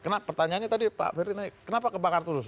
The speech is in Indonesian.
nah pertanyaannya tadi pak ferry naik kenapa terbakar terus